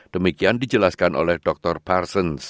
demikian dijelaskan oleh dr parsens